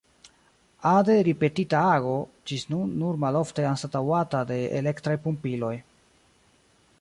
Ade ripetita ago, ĝis nun nur malofte anstataŭata de elektraj pumpiloj.